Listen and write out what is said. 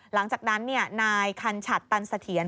หลังจากนั้นนายคันฉัดตันเสถียร